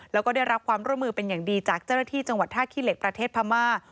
แล้วก็ได้รับความร่วมมือเป็นอย่างดีจากเจ้าหน้าที่จังหวัดท่าขี้เหล็กประเทศพม่า